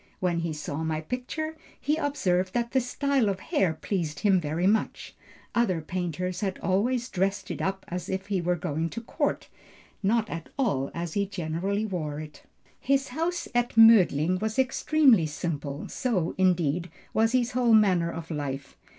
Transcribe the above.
When he saw my picture, he observed that the style of hair pleased him very much; other painters had always dressed it up as if he were going to court, not at all as he generally wore it." "His house at Mödling was extremely simple; so, indeed, was his whole manner of life.